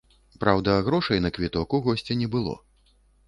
Праўда, грошай на квіток у госця не было.